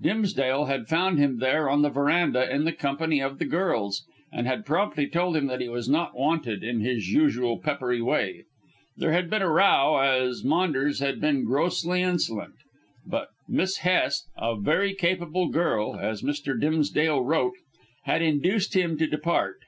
Dimsdale had found him there on the verandah in the company of the girls, and had promptly told him that he was not wanted, in his usual peppery way. There had been a row, as Maunders had been grossly insolent, but Miss Hest a very capable girl, as Mr. Dimsdale wrote had induced him to depart.